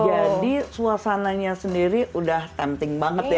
jadi suasananya sendiri udah tempting banget ya